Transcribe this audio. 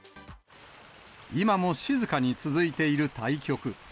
今も静かに続いている対局。